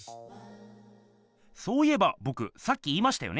そういえばぼくさっき言いましたよね。